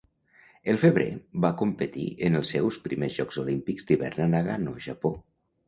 El febrer, va competir en els seus primers Jocs Olímpics d'hivern a Nagano, Japó.